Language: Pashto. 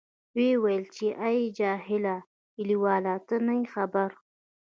ویې ویل، چې آی جاهله کلیواله ته نه یې خبر.